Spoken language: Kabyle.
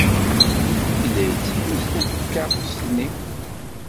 Yella yetteddu sdat tkeṛṛust-nni.